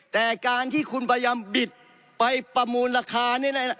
แต่การที่คุณพยายามบิดไปประมูลราคานี่แหละ